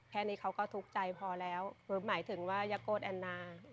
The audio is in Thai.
แค่นี้เขาก็ทุกข์ใจพอแล้วคือหมายถึงว่าอย่าโกรธแอนนา